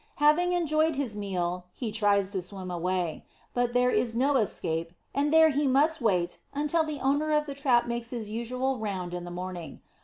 Having enjoyed his meal he tries to swim away; but there is no escape, and there he must wait until the owner of the trap makes his usual "round" in the morning.